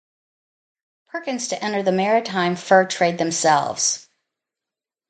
Perkins to enter the maritime fur trade themselves.